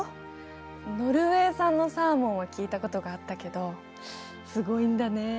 ノルウェー産のサーモンは聞いたことがあったけどすごいんだね。